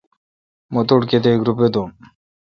مہ تو ٹھ کتیک روپے دوم۔